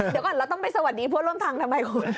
เดี๋ยวก่อนเราต้องไปสวัสดีเพื่อนร่วมทางทำไมคุณ